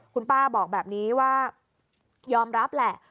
คุณป้าบอกแบบนี้ว่ายอมรับแหละ